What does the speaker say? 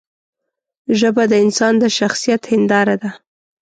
ژبه د انسان د شخصیت هنداره ده